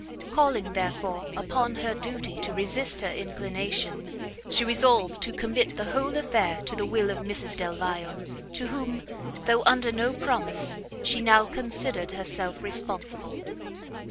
Calling, therefore, upon her duty to resist her inclination, she resolved to commit the whole affair to the will of Mrs Delvile, to whom, though under no promise, she now considered herself responsible.